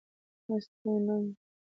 مستونگ